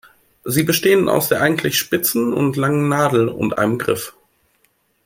Sie bestehen aus der eigentlichen, spitzen und langen Nadel und einem Griff.